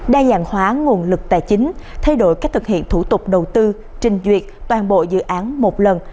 đa dạng hóa nguồn lực tài chính thay đổi cách thực hiện thủ tục đầu tư trình duyệt toàn bộ dự án một lần